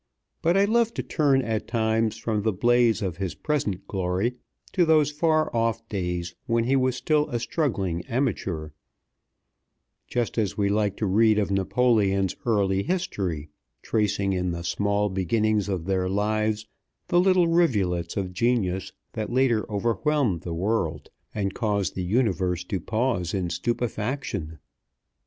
But I love to turn at times from the blaze of his present glory to those far off days when he was still a struggling amateur, just as we like to read of Napoleon's early history, tracing in the small beginnings of their lives the little rivulets of genius that later overwhelmed the world, and caused the universe to pause in stupefaction.